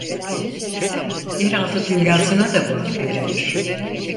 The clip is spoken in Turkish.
Yer altı dünyasına da bu ad verilir.